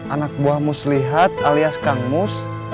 anak buah mus lihat alias kang mus